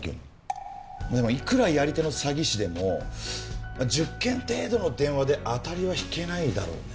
でもいくらやり手の詐欺師でも１０件程度の電話で当たりは引けないだろうね。